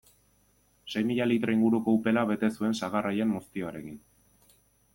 Sei mila litro inguruko upela bete zuen sagar haien muztioarekin.